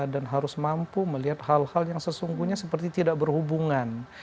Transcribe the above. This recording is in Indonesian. dan harus mampu melihat hal hal yang sesungguhnya seperti tidak berhubungan